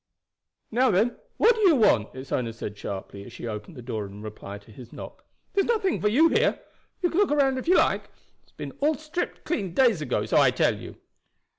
"Now, then, what do you want?" its owner said sharply, as she opened the door in reply to his knock. "There's nothing for you here. You can look round if you like. It's been all stripped clean days ago, so I tell you."